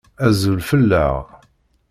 Azul fell-aɣ.